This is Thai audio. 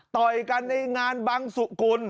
ต่อยกันในงานบังสุกุล